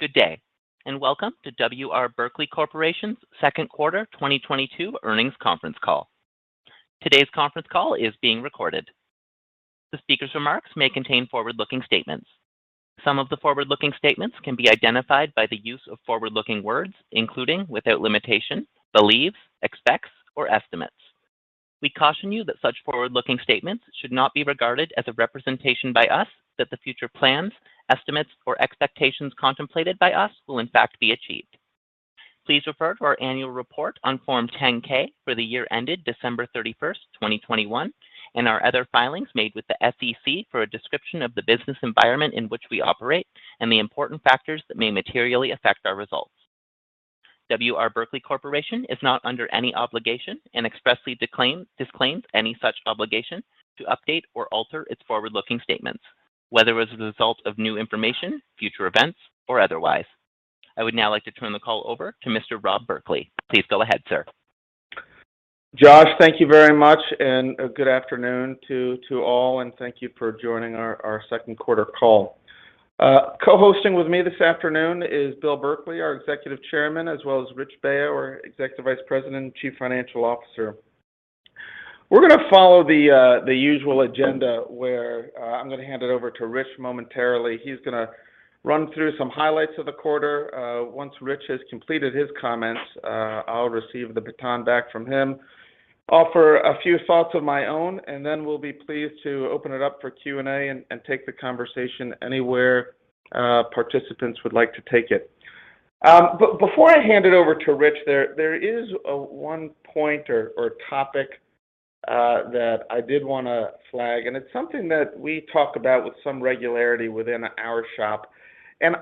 Good day, and welcome to W. R. Berkley Corporation's second quarter 2022 earnings conference call. Today's conference call is being recorded. The speaker's remarks may contain forward-looking statements. Some of the forward-looking statements can be identified by the use of forward-looking words, including, without limitation, believes, expects, or estimates. We caution you that such forward-looking statements should not be regarded as a representation by us that the future plans, estimates, or expectations contemplated by us will in fact be achieved. Please refer to our annual report on Form 10-K for the year ended December 31st, 2021, and our other filings made with the SEC for a description of the business environment in which we operate and the important factors that may materially affect our results. W.R. Berkley Corporation is not under any obligation and expressly disclaims any such obligation to update or alter its forward-looking statements, whether as a result of new information, future events, or otherwise. I would now like to turn the call over to Mr. Rob Berkley. Please go ahead, sir. Josh, thank you very much and good afternoon to all, and thank you for joining our second quarter call. Co-hosting with me this afternoon is Bill Berkley, our Executive Chairman, as well as Rich Baio, our Executive Vice President and Chief Financial Officer. We're gonna follow the usual agenda where I'm gonna hand it over to Rich momentarily. He's gonna run through some highlights of the quarter. Once Rich has completed his comments, I'll receive the baton back from him, offer a few thoughts of my own, and then we'll be pleased to open it up for Q&A and take the conversation anywhere participants would like to take it. Before I hand it over to Rich, there is one point or topic that I did wanna flag, and it's something that we talk about with some regularity within our shop.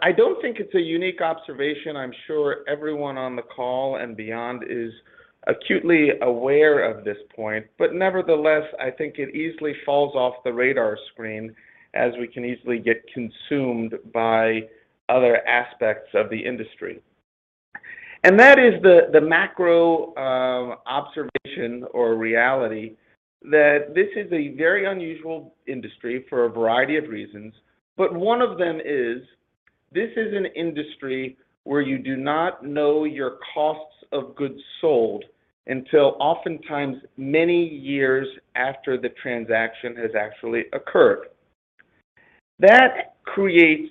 I don't think it's a unique observation. I'm sure everyone on the call and beyond is acutely aware of this point. Nevertheless, I think it easily falls off the radar screen as we can easily get consumed by other aspects of the industry. That is the macro observation or reality that this is a very unusual industry for a variety of reasons, but one of them is this is an industry where you do not know your costs of goods sold until oftentimes many years after the transaction has actually occurred. That creates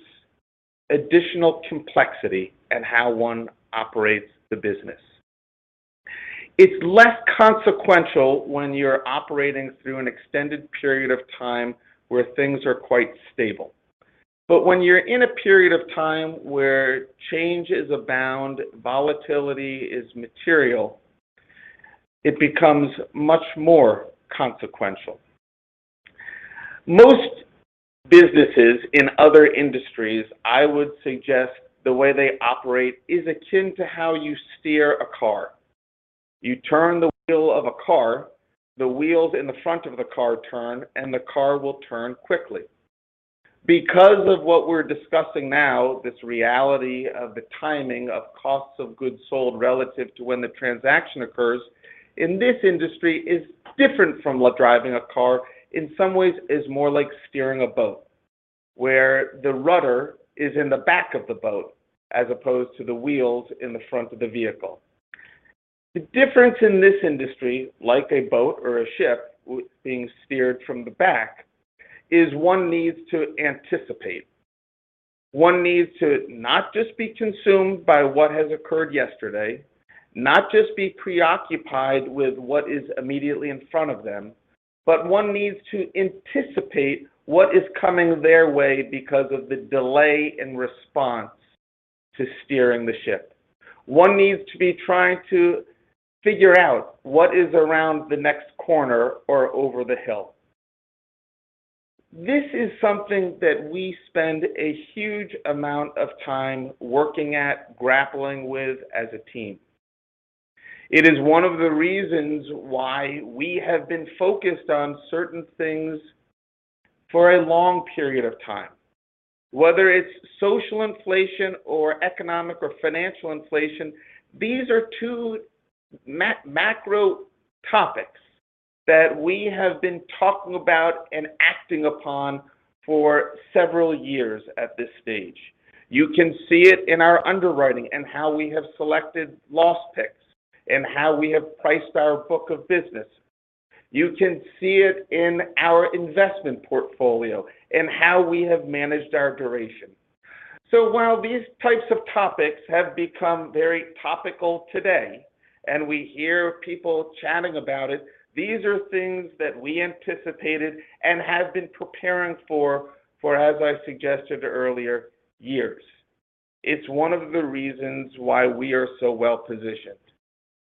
additional complexity in how one operates the business. It's less consequential when you're operating through an extended period of time where things are quite stable. When you're in a period of time where change abounds, volatility is material, it becomes much more consequential. Most businesses in other industries, I would suggest the way they operate is akin to how you steer a car. You turn the wheel of a car, the wheels in the front of the car turn, and the car will turn quickly. Because of what we're discussing now, this reality of the timing of costs of goods sold relative to when the transaction occurs in this industry is different from driving a car. In some ways, it's more like steering a boat, where the rudder is in the back of the boat as opposed to the wheels in the front of the vehicle. The difference in this industry, like a boat or a ship being steered from the back, is one needs to anticipate. One needs to not just be consumed by what has occurred yesterday, not just be preoccupied with what is immediately in front of them, but one needs to anticipate what is coming their way because of the delay in response to steering the ship. One needs to be trying to figure out what is around the next corner or over the hill. This is something that we spend a huge amount of time working at, grappling with as a team. It is one of the reasons why we have been focused on certain things for a long period of time. Whether it's social inflation or economic or financial inflation, these are two macro topics that we have been talking about and acting upon for several years at this stage. You can see it in our underwriting and how we have selected loss picks and how we have priced our book of business. You can see it in our investment portfolio and how we have managed our duration. While these types of topics have become very topical today, and we hear people chatting about it, these are things that we anticipated and have been preparing for as I suggested earlier, years. It's one of the reasons why we are so well-positioned.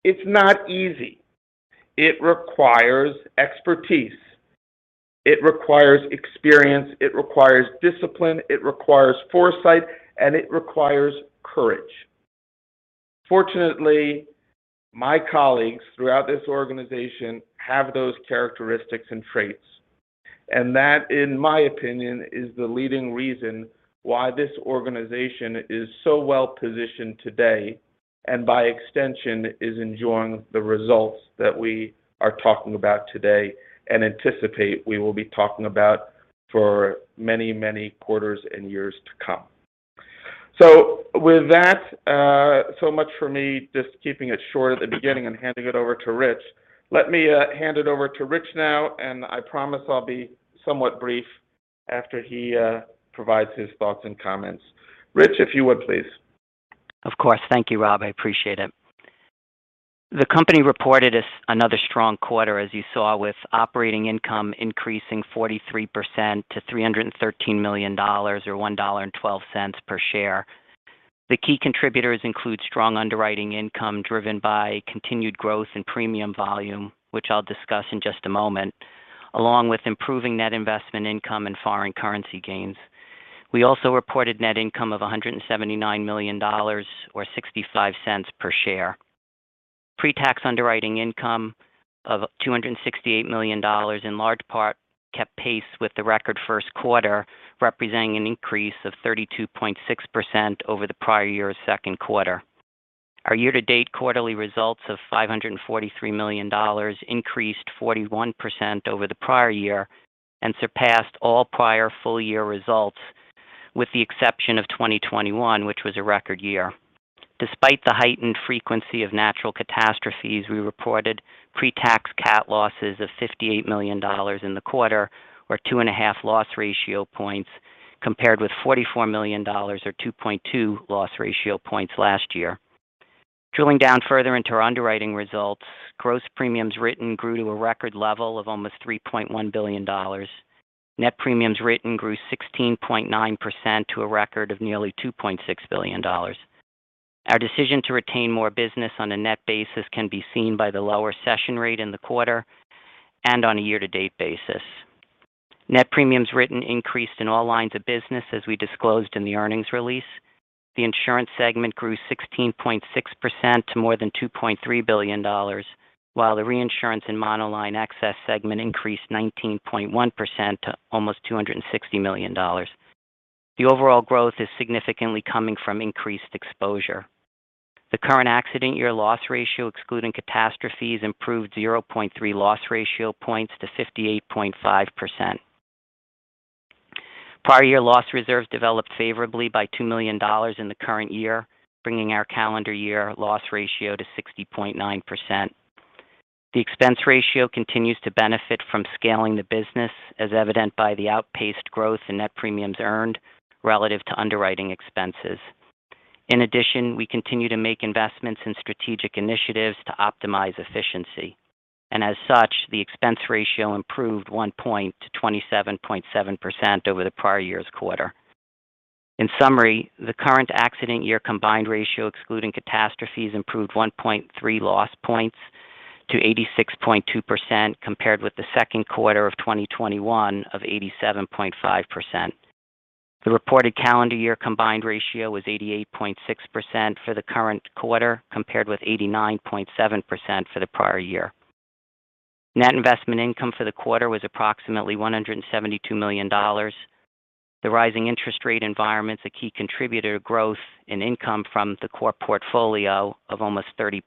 It's not easy. It requires expertise. It requires experience. It requires discipline. It requires foresight. It requires courage. Fortunately, my colleagues throughout this organization have those characteristics and traits. That, in my opinion, is the leading reason why this organization is so well-positioned today and by extension is enjoying the results that we are talking about today and anticipate we will be talking about for many, many quarters and years to come. With that, so much for me, just keeping it short at the beginning and handing it over to Rich. Let me hand it over to Rich now, and I promise I'll be somewhat brief after he provides his thoughts and comments. Rich, if you would, please. Of course. Thank you, Rob. I appreciate it. The company reported another strong quarter, as you saw with operating income increasing 43% to $313 million or $1.12 per share. The key contributors include strong underwriting income driven by continued growth in premium volume, which I'll discuss in just a moment, along with improving net investment income and foreign currency gains. We also reported net income of $179 million or $0.65 per share. Pre-tax underwriting income of $268 million in large part kept pace with the record first quarter, representing an increase of 32.6% over the prior year's second quarter. Our year-to-date quarterly results of $543 million increased 41% over the prior year and surpassed all prior full year results, with the exception of 2021, which was a record year. Despite the heightened frequency of natural catastrophes, we reported pre-tax CAT losses of $58 million in the quarter or 2.5 loss ratio points, compared with $44 million or 2.2 loss ratio points last year. Drilling down further into our underwriting results, gross premiums written grew to a record level of almost $3.1 billion. Net premiums written grew 16.9% to a record of nearly $2.6 billion. Our decision to retain more business on a net basis can be seen by the lower cession rate in the quarter and on a year-to-date basis. Net premiums written increased in all lines of business, as we disclosed in the earnings release. The insurance segment grew 16.6% to more than $2.3 billion, while the reinsurance and monoline excess segment increased 19.1% to almost $260 million. The overall growth is significantly coming from increased exposure. The current accident year loss ratio, excluding catastrophes, improved 0.3 loss ratio points to 58.5%. Prior year loss reserves developed favorably by $2 million in the current year, bringing our calendar year loss ratio to 60.9%. The expense ratio continues to benefit from scaling the business, as evident by the outpaced growth in net premiums earned relative to underwriting expenses. In addition, we continue to make investments in strategic initiatives to optimize efficiency, and as such, the expense ratio improved 1 point to 27.7% over the prior year's quarter. In summary, the current accident year combined ratio excluding catastrophes improved 1.3 loss points to 86.2% compared with the second quarter of 2021 of 87.5%. The reported calendar year combined ratio was 88.6% for the current quarter, compared with 89.7% for the prior year. Net investment income for the quarter was approximately $172 million. The rising interest rate environment is a key contributor to growth in income from the core portfolio of almost 30%.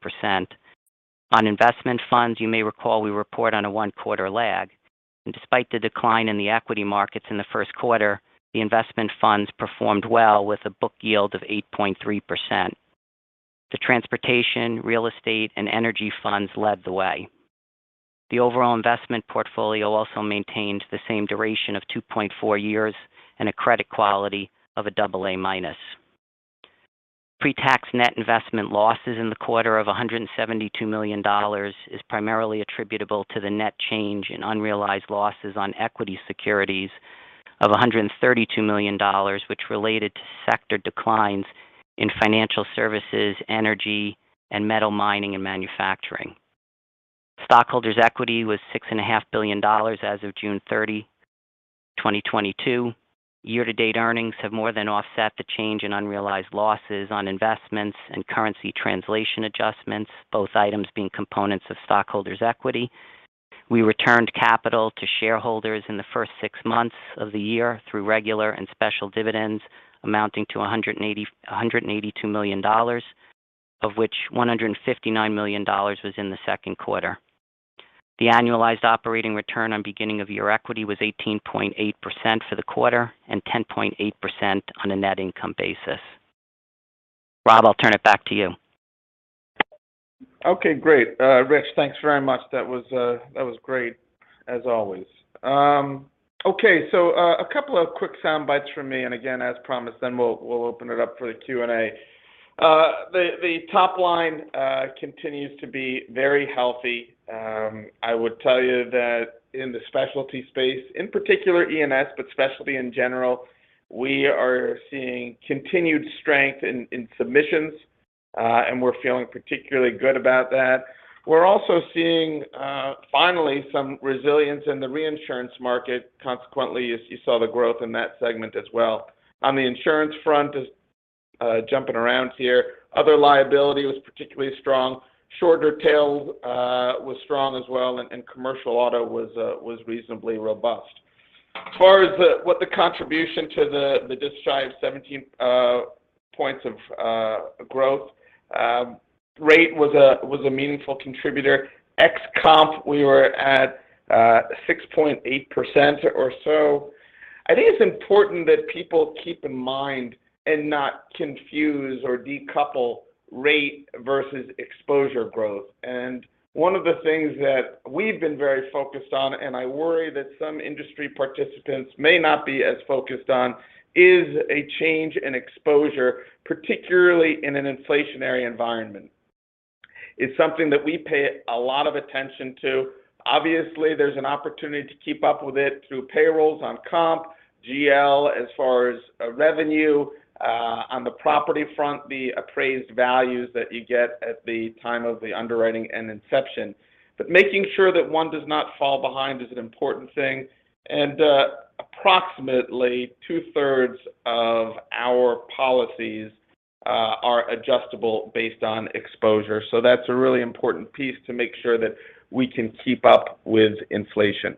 On investment funds, you may recall we report on a one quarter lag. Despite the decline in the equity markets in the first quarter, the investment funds performed well with a book yield of 8.3%. The transportation, real estate, and energy funds led the way. The overall investment portfolio also maintained the same duration of 2.4 years and a credit quality of AA-. Pre-tax net investment losses in the quarter of $172 million is primarily attributable to the net change in unrealized losses on equity securities of $132 million, which related to sector declines in financial services, energy, and metal mining and manufacturing. Stockholders' equity was $6.5 billion as of June thirty, 2022. Year-to-date earnings have more than offset the change in unrealized losses on investments and currency translation adjustments, both items being components of stockholders' equity. We returned capital to shareholders in the first six months of the year through regular and special dividends amounting to $182 million, of which $159 million was in the second quarter. The annualized operating return on beginning of year equity was 18.8% for the quarter and 10.8% on a net income basis. Rob, I'll turn it back to you. Okay, great. Rich, thanks very much. That was great as always. Okay. A couple of quick sound bites from me, and again, as promised, then we'll open it up for the Q&A. The top line continues to be very healthy. I would tell you that in the specialty space, in particular E&S, but specialty in general, we are seeing continued strength in submissions, and we're feeling particularly good about that. We're also seeing finally some resilience in the reinsurance market. Consequently, as you saw the growth in that segment as well. On the insurance front is jumping around here. Other liability was particularly strong. Shorter tail was strong as well, and commercial auto was reasonably robust. As far as the contribution to the distribution of 17 points of growth rate was, a meaningful contributor. Ex-comp, we were at 6.8% or so. I think it's important that people keep in mind and not confuse or decouple rate versus exposure growth. One of the things that we've been very focused on, and I worry that some industry participants may not be as focused on, is a change in exposure, particularly in an inflationary environment. It's something that we pay a lot of attention to. Obviously, there's an opportunity to keep up with it through payrolls on comp, GL as far as revenue, on the property front, the appraised values that you get at the time of the underwriting and inception. Making sure that one does not fall behind is an important thing. Approximately two-thirds of our policies are adjustable based on exposure. That's a really important piece to make sure that we can keep up with inflation.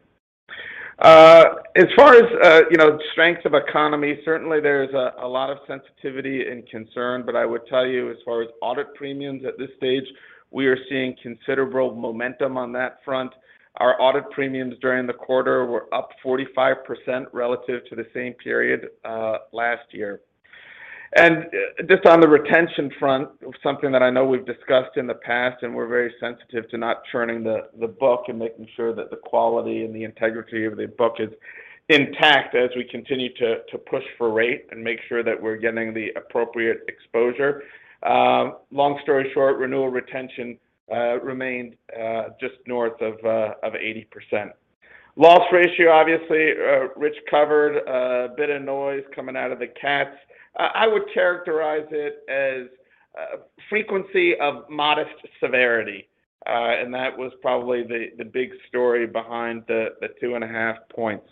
As far as, you know, strength of economy, certainly there's a lot of sensitivity and concern, but I would tell you as far as audit premiums at this stage, we are seeing considerable momentum on that front. Our audit premiums during the quarter were up 45% relative to the same period last year. Just on the retention front, something that I know we've discussed in the past, and we're very sensitive to not churning the book and making sure that the quality and the integrity of the book is intact as we continue to push for rate and make sure that we're getting the appropriate exposure. Long story short, renewal retention remained just north of 80%. Loss ratio, obviously, Rich covered a bit of noise coming out of the cats. I would characterize it as frequency of modest severity. That was probably the big story behind the 2.5 points.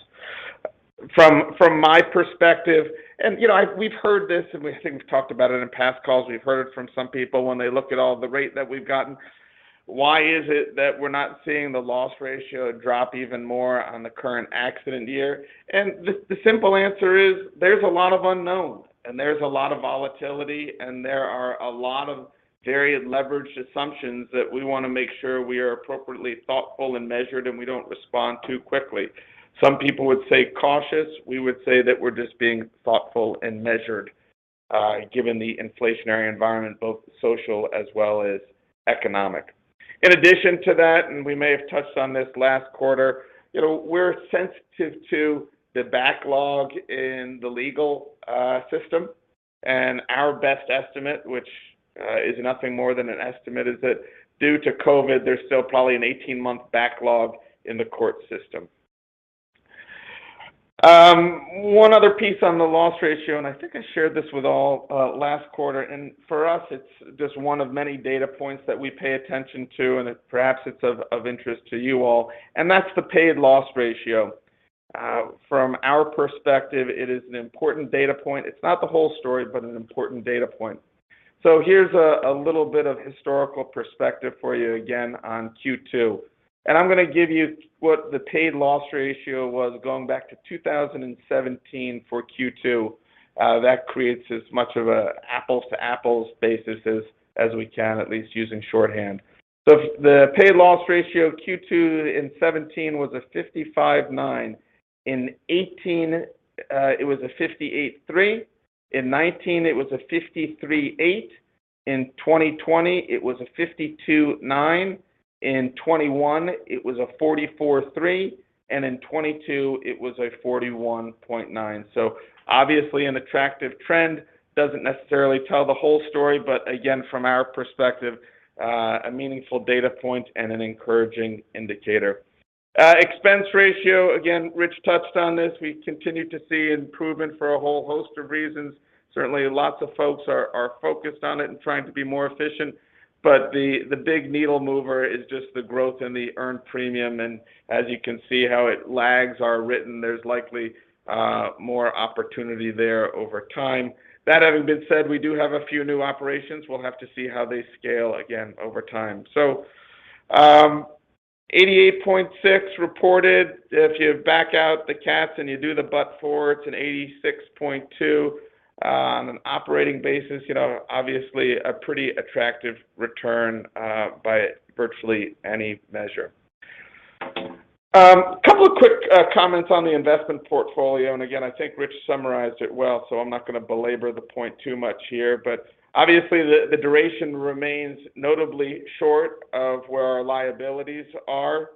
From my perspective, and you know, we've heard this, and we, I think we've talked about it in past calls. We've heard it from some people when they look at all the rate that we've gotten. Why is it that we're not seeing the loss ratio drop even more on the current accident year? The simple answer is there's a lot of unknown, and there's a lot of volatility, and there are a lot of varied leveraged assumptions that we want to make sure we are appropriately thoughtful and measured, and we don't respond too quickly. Some people would say cautious. We would say that we're just being thoughtful and measured, given the inflationary environment, both social as well as economic. In addition to that, and we may have touched on this last quarter, you know, we're sensitive to the backlog in the legal system. Our best estimate, which is nothing more than an estimate, is that due to COVID, there's still probably an 18-month backlog in the court system. One other piece on the loss ratio, and I think I shared this with all last quarter. For us, it's just one of many data points that we pay attention to, and perhaps it's of interest to you all, and that's the paid loss ratio. From our perspective, it is an important data point. It's not the whole story, but an important data point. Here's a little bit of historical perspective for you again on Q2. I'm going to give you what the paid loss ratio was going back to 2017 for Q2. That creates as much of an apples-to-apples basis as we can, at least using shorthand. Paid loss ratio Q2 in 2017 was 55.9%. In 2018, it was 58.3%. In 2019, it was 53.8%. In 2020, it was 52.9%. In 2021, it was 44.3%. In 2022, it was 41.9%. Obviously an attractive trend. It doesn't necessarily tell the whole story, but again, from our perspective, a meaningful data point and an encouraging indicator. Expense ratio, again, Rich touched on this. We continue to see improvement for a whole host of reasons. Certainly lots of folks are focused on it and trying to be more efficient. The big needle mover is just the growth in the earned premium. As you can see how it lags our written, there's likely more opportunity there over time. That having been said, we do have a few new operations. We'll have to see how they scale again over time. 88.6% reported. If you back out the cats and you do the but for, it's an 86.2%, on an operating basis. You know, obviously a pretty attractive return, by virtually any measure. Couple of quick comments on the investment portfolio. Again, I think Rich summarized it well, so I'm not going to belabor the point too much here. Obviously the duration remains notably short of where our liabilities are,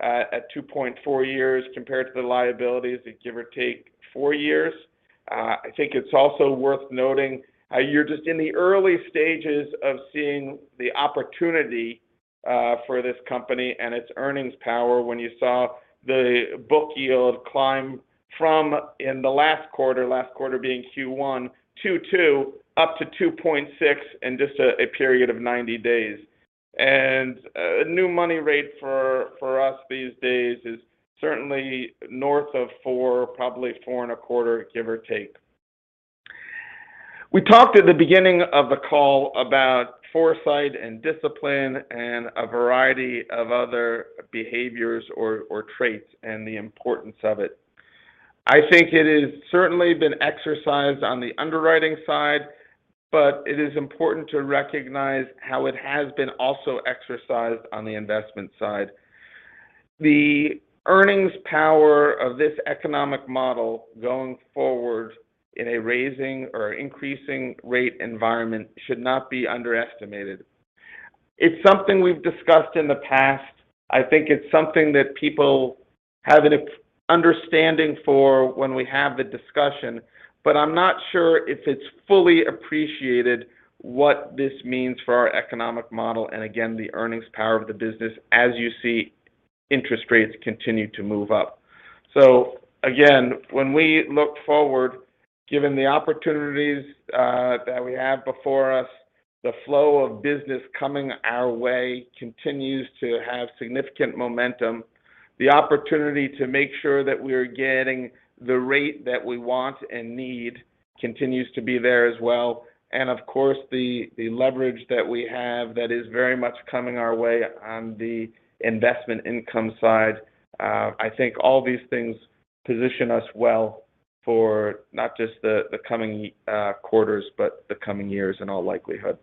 at 2.4 years compared to the liabilities at give or take 4 years. I think it's also worth noting, you're just in the early stages of seeing the opportunity for this company and its earnings power when you saw the book yield climb from in the last quarter, last quarter being Q1, 2.2% up to 2.6% in just a period of 90 days. New money rate for us these days is certainly north of 4%, probably 4.25%, give or take. We talked at the beginning of the call about foresight and discipline and a variety of other behaviors or traits and the importance of it. I think it has certainly been exercised on the underwriting side, but it is important to recognize how it has been also exercised on the investment side. The earnings power of this economic model going forward in a rising or increasing rate environment should not be underestimated. It's something we've discussed in the past. I think it's something that people have an understanding for when we have the discussion, but I'm not sure if it's fully appreciated what this means for our economic model, and again, the earnings power of the business as you see interest rates continue to move up. Again, when we look forward, given the opportunities, that we have before us, the flow of business coming our way continues to have significant momentum. The opportunity to make sure that we are getting the rate that we want and need continues to be there as well. Of course, the leverage that we have that is very much coming our way on the investment income side. I think all these things position us well for not just the coming quarters, but the coming years in all likelihood.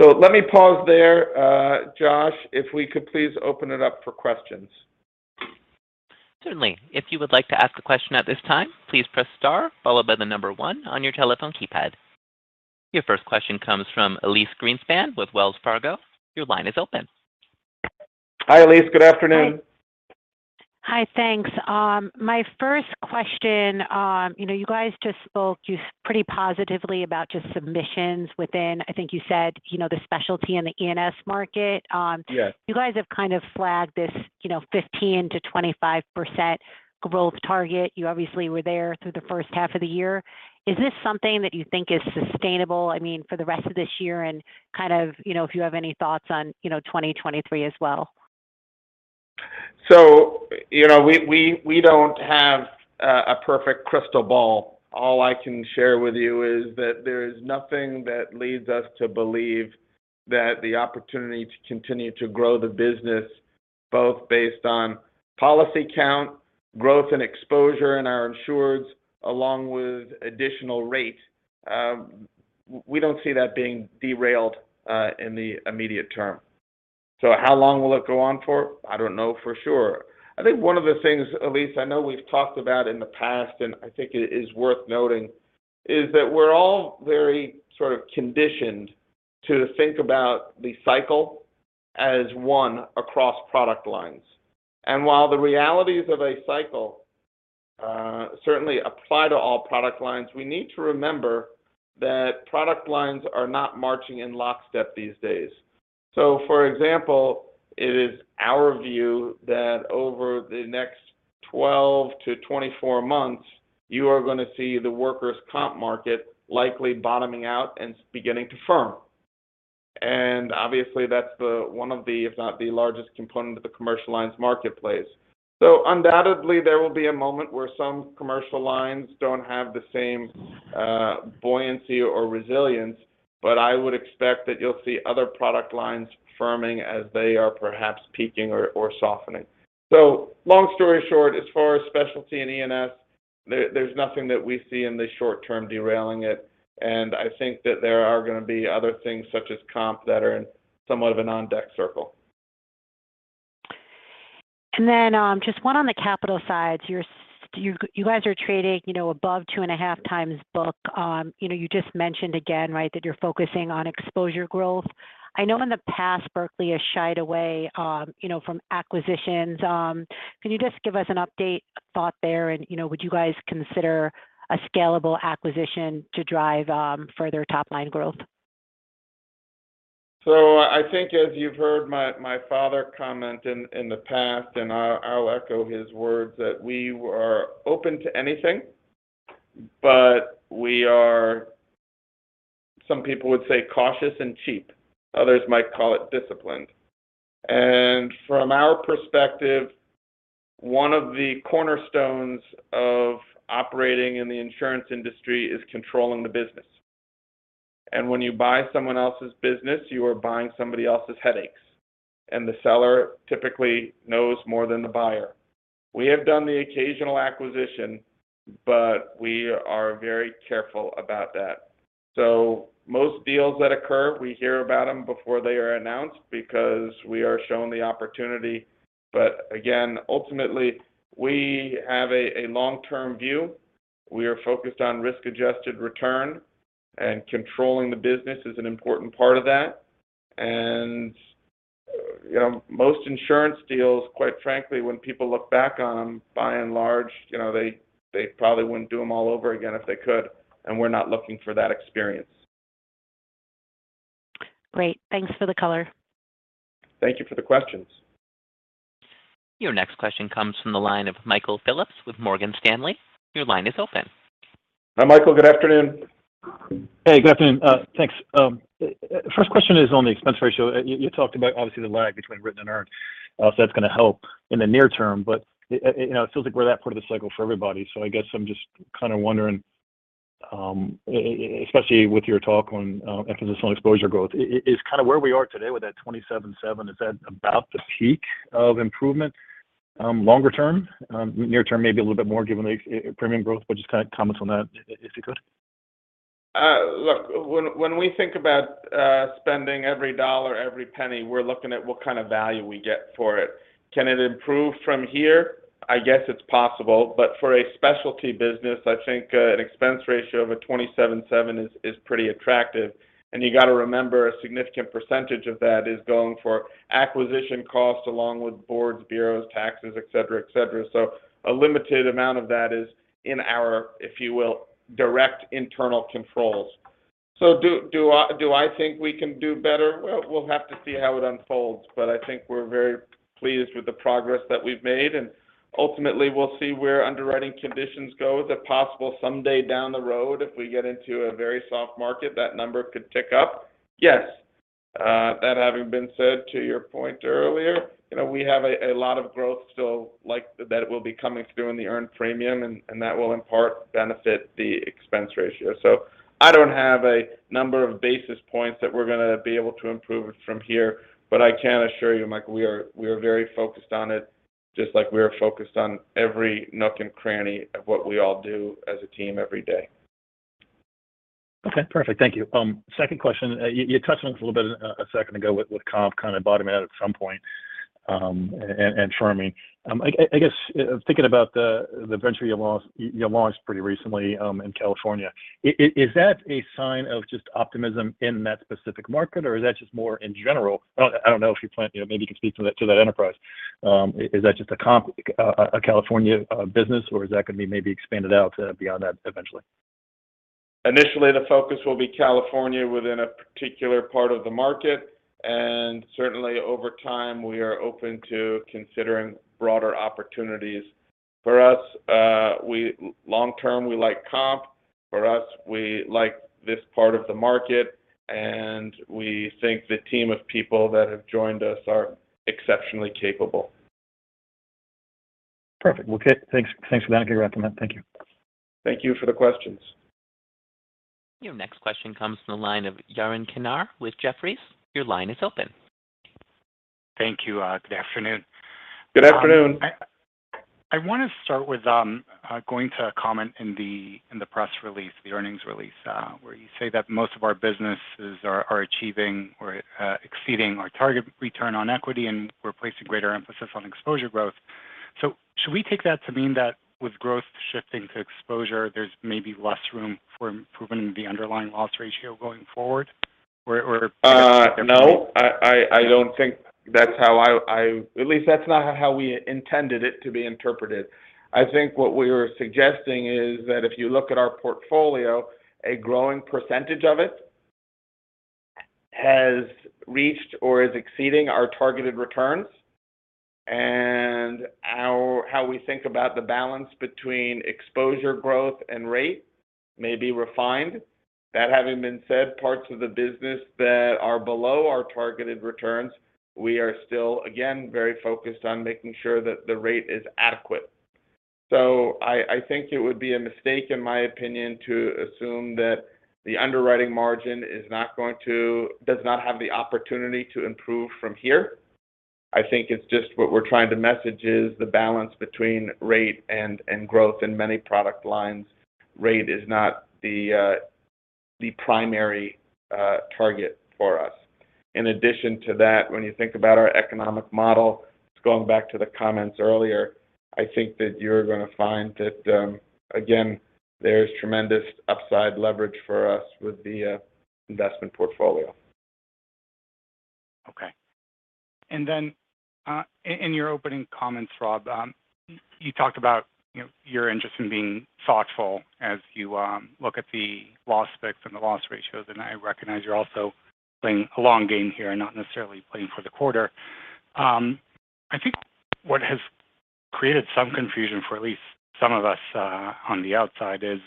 Let me pause there. Josh, if we could please open it up for questions. Certainly. If you would like to ask a question at this time, please press star followed by the number one on your telephone keypad. Your first question comes from Elyse Greenspan with Wells Fargo. Your line is open. Hi, Elyse. Good afternoon. Hi. Hi. Thanks. My first question, you know, you guys just spoke pretty positively about submissions within, I think you said, you know, the specialty and the E&S market. Yes. You guys have kind of flagged this, you know, 15%-25% growth target. You obviously were there through the first half of the year. Is this something that you think is sustainable, I mean, for the rest of this year and kind of, you know, if you have any thoughts on, you know, 2023 as well? You know, we don't have a perfect crystal ball. All I can share with you is that there is nothing that leads us to believe that the opportunity to continue to grow the business, both based on policy count, growth, and exposure in our insureds, along with additional rate, we don't see that being derailed in the immediate term. How long will it go on for? I don't know for sure. I think one of the things, Elyse, I know we've talked about in the past, and I think it is worth noting, is that we're all very sort of conditioned to think about the cycle as one across product lines. While the realities of a cycle certainly apply to all product lines, we need to remember that product lines are not marching in lockstep these days. For example, it is our view that over the next 12-24 months, you are gonna see the workers' compensation market likely bottoming out and beginning to firm. Obviously that's one of the, if not the largest component of the commercial lines marketplace. Undoubtedly, there will be a moment where some commercial lines don't have the same buoyancy or resilience, but I would expect that you'll see other product lines firming as they are perhaps peaking or softening. Long story short, as far as specialty and E&S, there's nothing that we see in the short term derailing it, and I think that there are gonna be other things such as comp that are in somewhat of an on-deck circle. Just one on the capital side. You guys are trading, you know, above 2.5 times book. You know, you just mentioned again, right, that you're focusing on exposure growth. I know in the past, Berkley has shied away, you know, from acquisitions. Can you just give us an update on that there and, you know, would you guys consider a scalable acquisition to drive further top-line growth? I think as you've heard my father comment in the past, and I'll echo his words that we are open to anything, but we are, some people would say, cautious and cheap. Others might call it disciplined. From our perspective, one of the cornerstones of operating in the insurance industry is controlling the business. When you buy someone else's business, you are buying somebody else's headaches, and the seller typically knows more than the buyer. We have done the occasional acquisition, but we are very careful about that. Most deals that occur, we hear about them before they are announced because we are shown the opportunity. Again, ultimately, we have a long-term view. We are focused on risk-adjusted return, and controlling the business is an important part of that. You know, most insurance deals, quite frankly, when people look back on them, by and large, you know, they probably wouldn't do them all over again if they could, and we're not looking for that experience. Great. Thanks for the color. Thank you for the questions. Your next question comes from the line of Michael Phillips with Morgan Stanley. Your line is open. Hi, Michael. Good afternoon. Hey, good afternoon. Thanks. First question is on the expense ratio. You talked about obviously the lag between written and earned. That's gonna help in the near term. You know, it feels like we're at that part of the cycle for everybody. I guess I'm just kind of wondering, especially with your talk on emphasis on exposure growth, is kind of where we are today with that 27.7%, is that about the peak of improvement longer term? Near term may be a little bit more given the premium growth, but just kind of comments on that if you could. Look, when we think about spending every dollar, every penny, we're looking at what kind of value we get for it. Can it improve from here? I guess it's possible. For a specialty business, I think an expense ratio of 27.7% is pretty attractive. You got to remember a significant percentage of that is going for acquisition costs along with boards, bureaus, taxes, et cetera. A limited amount of that is in our, if you will, direct internal controls. Do I think we can do better? We'll have to see how it unfolds. I think we're very pleased with the progress that we've made. Ultimately, we'll see where underwriting conditions go. Is it possible someday down the road, if we get into a very soft market, that number could tick up? Yes. That having been said, to your point earlier, you know, we have a lot of growth still like that will be coming through in the earned premium, and that will in part benefit the expense ratio. I don't have a number of basis points that we're gonna be able to improve from here. I can assure you, Michael, we are very focused on it, just like we are focused on every nook and cranny of what we all do as a team every day. Okay, perfect. Thank you. Second question. You touched on this a little bit a second ago with comp kind of bottoming out at some point, and margin. I guess thinking about the venture you launched pretty recently in California. Is that a sign of just optimism in that specific market, or is that just more in general? I don't know if you plan. You know, maybe you can speak to that, to that enterprise. Is that just a comp, a California business, or is that going to be maybe expanded out beyond that eventually? Initially, the focus will be California within a particular part of the market, and certainly over time, we are open to considering broader opportunities. For us, long term, we like comp. For us, we like this part of the market, and we think the team of people that have joined us are exceptionally capable. Perfect. Well, good. Thanks. Thanks for that. I recommend. Thank you. Thank you for the questions. Your next question comes from the line of Yaron Kinar with Jefferies. Your line is open. Thank you. Good afternoon. Good afternoon. I want to start with going to a comment in the press release, the earnings release, where you say that most of our businesses are achieving or exceeding our target return on equity, and we're placing greater emphasis on exposure growth. Should we take that to mean that with growth shifting to exposure, there's maybe less room for improving the underlying loss ratio going forward? No, I don't think that's how we intended it to be interpreted. I think what we were suggesting is that if you look at our portfolio, a growing percentage of it has reached or is exceeding our targeted returns. How we think about the balance between exposure growth and rate may be refined. That having been said, parts of the business that are below our targeted returns, we are still, again, very focused on making sure that the rate is adequate. I think it would be a mistake, in my opinion, to assume that the underwriting margin does not have the opportunity to improve from here. I think it's just what we're trying to message is the balance between rate and growth in many product lines. Rate is not the primary target for us. In addition to that, when you think about our economic model, just going back to the comments earlier, I think that you're gonna find that, again, there's tremendous upside leverage for us with the investment portfolio. Okay. In your opening comments, Rob, you talked about, you know, your interest in being thoughtful as you look at the loss picks and the loss ratios, and I recognize you're also playing a long game here and not necessarily playing for the quarter. I think what has created some confusion for at least some of us on the outside is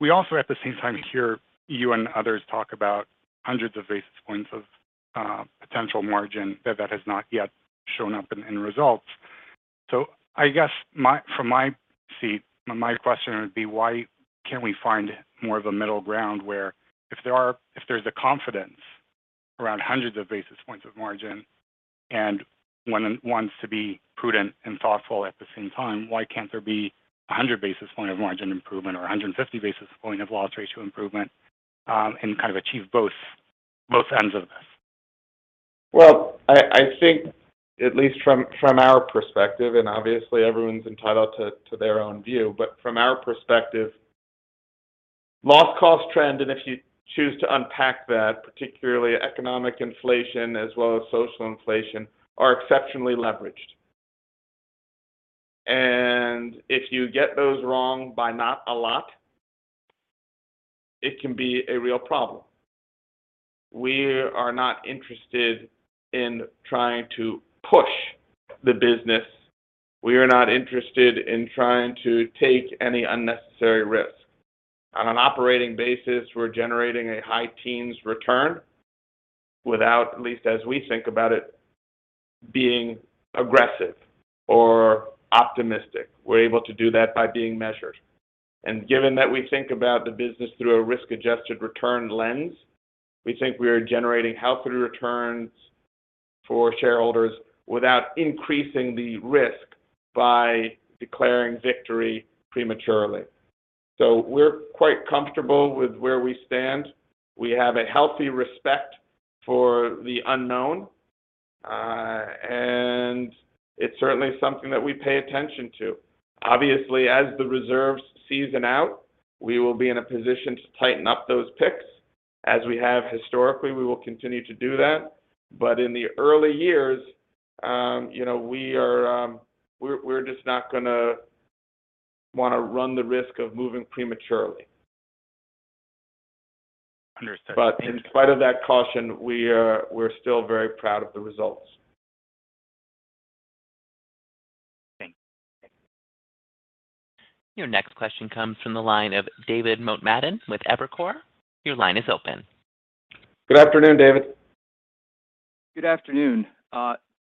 we also at the same time hear you and others talk about hundreds of basis points of potential margin that has not yet shown up in results. I guess from my seat, my question would be why can't we find more of a middle ground where if there's a confidence around hundreds of basis points of margin and one wants to be prudent and thoughtful at the same time, why can't there be a 100 basis point of margin improvement or a 150 basis point of loss ratio improvement, and kind of achieve both ends of this? Well, I think at least from our perspective, and obviously everyone's entitled to their own view, but from our perspective, loss cost trend, and if you choose to unpack that, particularly economic inflation as well as social inflation, are exceptionally leveraged. If you get those wrong by not a lot, it can be a real problem. We are not interested in trying to push the business. We are not interested in trying to take any unnecessary risk. On an operating basis, we're generating a high teens return without, at least as we think about it, being aggressive or optimistic. We're able to do that by being measured. Given that we think about the business through a risk-adjusted return lens, we think we are generating healthy returns for shareholders without increasing the risk by declaring victory prematurely. We're quite comfortable with where we stand. We have a healthy respect for the unknown, and it's certainly something that we pay attention to. Obviously, as the reserves season out, we will be in a position to tighten up those picks. As we have historically, we will continue to do that. In the early years, you know, we're just not gonna wanna run the risk of moving prematurely. Understood. Thank you. In spite of that caution, we're still very proud of the results. Thank you. Your next question comes from the line of David Motemaden with Evercore ISI. Your line is open. Good afternoon, David. Good afternoon.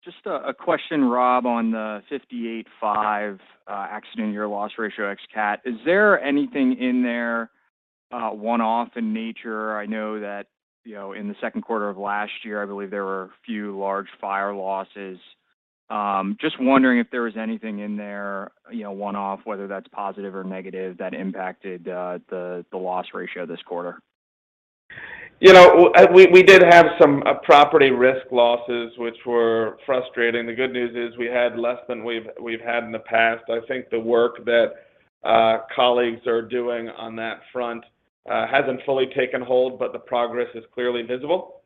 Just a question, Rob, on the 58.5% accident year loss ratio ex-CAT. Is there anything in there one-off in nature? I know that, you know, in the second quarter of last year, I believe there were a few large fire losses. Just wondering if there was anything in there, you know, one-off, whether that's positive or negative, that impacted the loss ratio this quarter. You know, we did have some property risk losses which were frustrating. The good news is we had less than we've had in the past. I think the work that colleagues are doing on that front hasn't fully taken hold, but the progress is clearly visible.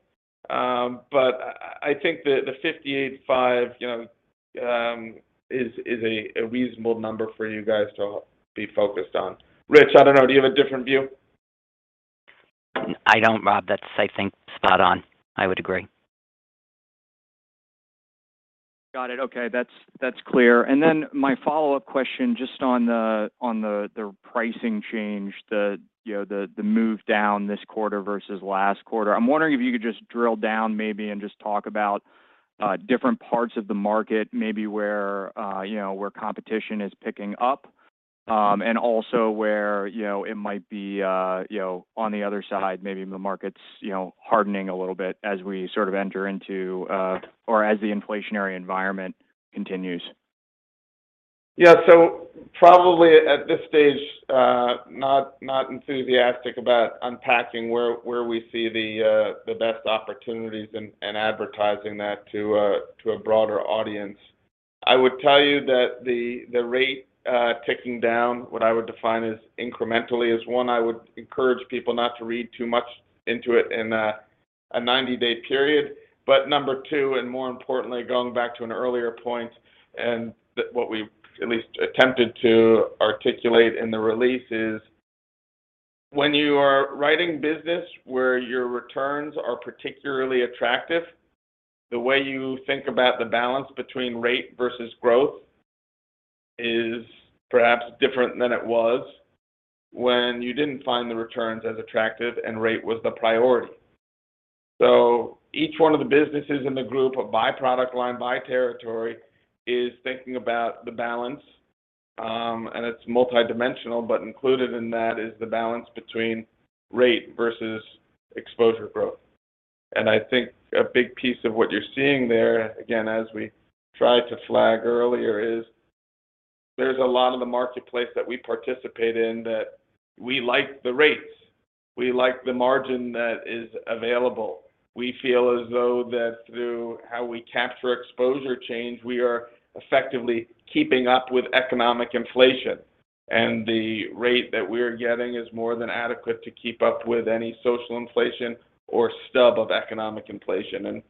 I think the 58.5, you know, is a reasonable number for you guys to be focused on. Rich, I don't know, do you have a different view? I don't, Rob. That's, I think, spot on. I would agree. Got it. Okay. That's clear. My follow-up question just on the pricing change, you know, the move down this quarter versus last quarter. I'm wondering if you could just drill down maybe and just talk about different parts of the market, maybe where you know, where competition is picking up, and also where you know, it might be you know, on the other side, maybe the market's you know, hardening a little bit as we sort of enter into or as the inflationary environment continues. Yeah. Probably at this stage, not enthusiastic about unpacking where we see the best opportunities and advertising that to a broader audience. I would tell you that the rate ticking down, what I would define as incrementally, is one, I would encourage people not to read too much into it in a 90-day period. Number two, and more importantly, going back to an earlier point, and that what we at least attempted to articulate in the release is when you are writing business where your returns are particularly attractive, the way you think about the balance between rate versus growth is perhaps different than it was when you didn't find the returns as attractive and rate was the priority. Each one of the businesses in the group of by product line, by territory, is thinking about the balance, and it's multidimensional, but included in that is the balance between rate versus exposure growth. I think a big piece of what you're seeing there, again, as we tried to flag earlier, is there's a lot of the marketplace that we participate in that we like the rates, we like the margin that is available. We feel as though that through how we capture exposure change, we are effectively keeping up with economic inflation, and the rate that we're getting is more than adequate to keep up with any social inflation or stub of economic inflation, and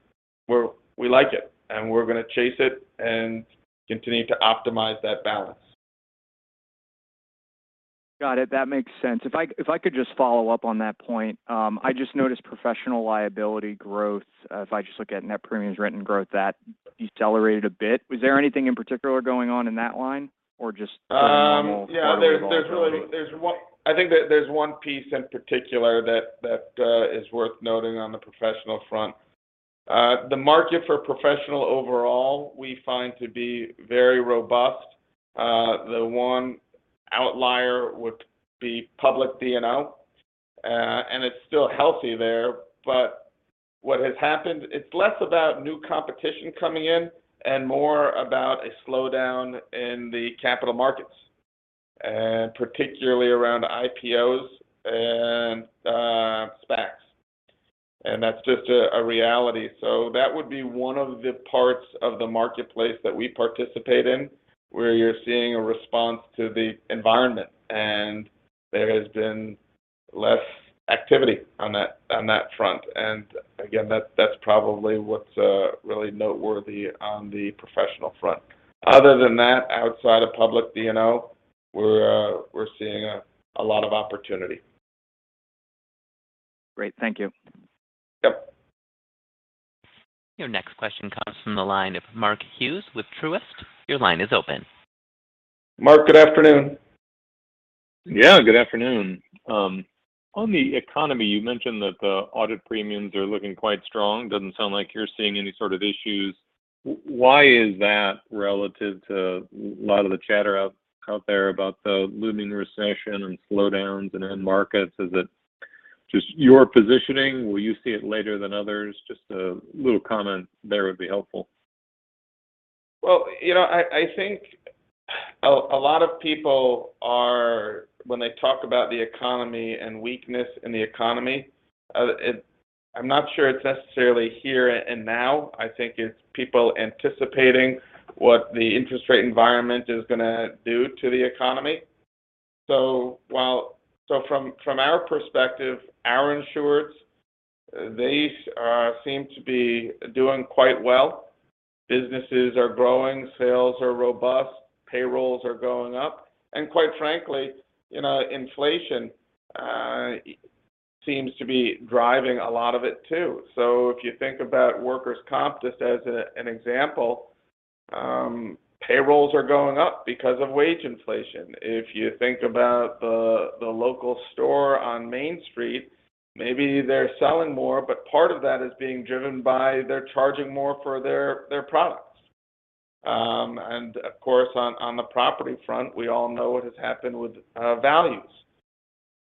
we like it, and we're gonna chase it and continue to optimize that balance. Got it. That makes sense. If I could just follow up on that point. I just noticed professional liability growth. If I just look at net premiums written growth, that decelerated a bit. Was there anything in particular going on in that line or just normal quarter-to-quarter movement? Yeah. There's really one piece in particular that is worth noting on the professional front. The market for professional overall we find to be very robust. The one outlier would be public D&O, and it's still healthy there. What has happened, it's less about new competition coming in and more about a slowdown in the capital markets, and particularly around IPOs and SPACs. That's just a reality. That would be one of the parts of the marketplace that we participate in, where you're seeing a response to the environment, and there has been less activity on that front. Again, that's probably what's really noteworthy on the professional front. Other than that, outside of public D&O, we're seeing a lot of opportunity. Great. Thank you. Your next question comes from the line of Mark Hughes with Truist. Your line is open. Mark, good afternoon. Yeah, good afternoon. On the economy, you mentioned that the audit premiums are looking quite strong. Doesn't sound like you're seeing any sort of issues. Why is that relative to a lot of the chatter out there about the looming recession and slowdowns in end markets? Is it just your positioning? Will you see it later than others? Just a little comment there would be helpful. Well, you know, I think a lot of people are when they talk about the economy and weakness in the economy, I'm not sure it's necessarily here and now. I think it's people anticipating what the interest rate environment is gonna do to the economy. From our perspective, our insureds, they seem to be doing quite well. Businesses are growing, sales are robust, payrolls are going up, and quite frankly, you know, inflation seems to be driving a lot of it too. If you think about workers' compensation just as an example, payrolls are going up because of wage inflation. If you think about the local store on Main Street, maybe they're selling more, but part of that is being driven by they're charging more for their products. Of course, on the property front, we all know what has happened with values.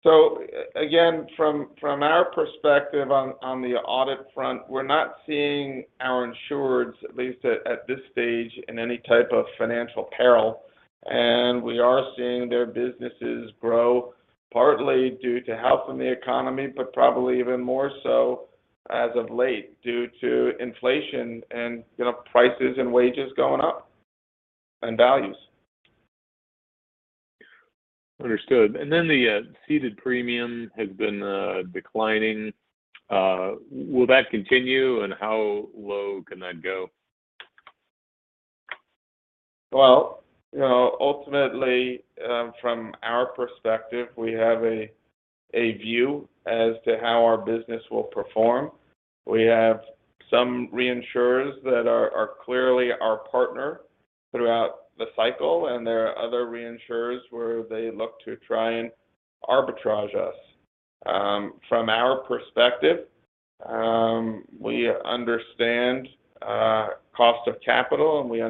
So again, from our perspective on the audit front, we're not seeing our insureds, at least at this stage, in any type of financial peril. We are seeing their businesses grow, partly due to health in the economy, but probably even more so as of late due to inflation and, you know, prices and wages going up, and values. Understood. The ceded premium has been declining. Will that continue, and how low can that go? Well, you know, ultimately, from our perspective, we have a view as to how our business will perform. We have some reinsurers that are clearly our partner throughout the cycle, and there are other reinsurers where they look to try and arbitrage us. From our perspective, we understand cost of capital, and we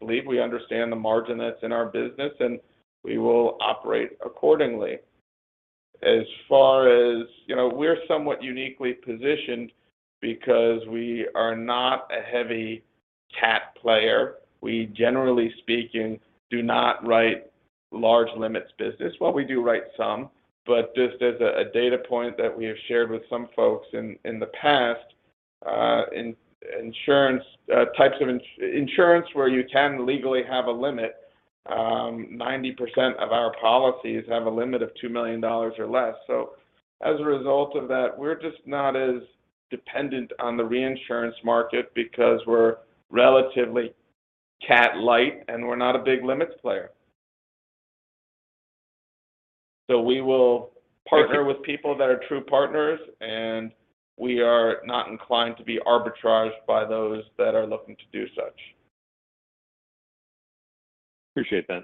believe we understand the margin that's in our business, and we will operate accordingly. You know, we're somewhat uniquely positioned because we are not a heavy CAT player. We, generally speaking, do not write large limits business. Well, we do write some, but just as a data point that we have shared with some folks in the past, in insurance types of insurance where you can legally have a limit, 90% of our policies have a limit of $2 million or less. As a result of that, we're just not as dependent on the reinsurance market because we're relatively CAT light, and we're not a big limits player. We will partner with people that are true partners, and we are not inclined to be arbitraged by those that are looking to do such. Appreciate that.